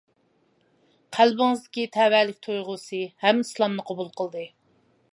قەلبىڭىزدىكى تەۋەلىك تۇيغۇسى ھەم ئىسلامنى قوبۇل قىلدى.